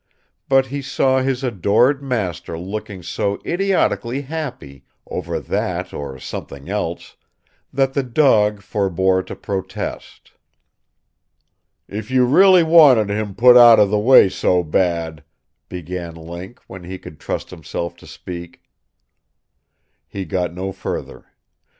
But he saw his adored master looking so idiotically happy over that or something else that the dog forbore to protest. "If you really wanted him put out of the way so bad " began Link, when he could trust himself to speak. He got no further.